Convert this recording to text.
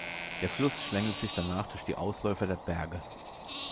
Der Fluss schlängelt sich danach durch die Ausläufer der Berge.